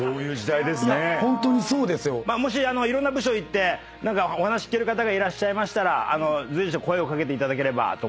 もしいろんな部署行ってお話聞ける方いらっしゃいましたら随所声を掛けていただければと。